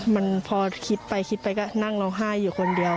มันพอคิดไปคิดไปก็นั่งร้องไห้อยู่คนเดียว